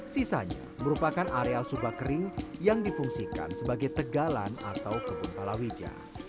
sisanya merupakan areal subak kering yang difungsikan sebagai tegalan atau kebun palawija